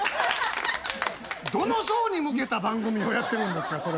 どの層に向けた番組をやってるんですか？